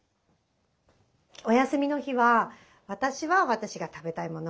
お休みの日は私は私が食べたいもの。